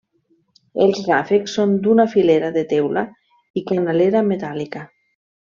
Els ràfecs són d'una filera de teula i canalera metàl·lica.